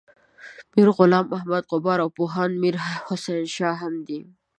میر غلام محمد غبار او پوهاند میر حسین شاه هم دي.